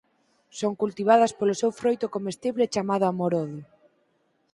Son cultivadas polo seu froito comestible chamado amorodo.